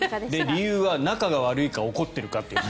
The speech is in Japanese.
理由は仲が悪いか怒っているか。